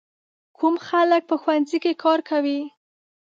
کوم خلک په ښوونځي کې کار کوي؟